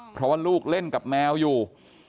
เพราะว่าลูกเล่นกับแมวอยู่